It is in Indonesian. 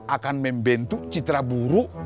akan membentuk citra buruk